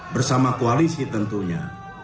bersama koalisi tentunya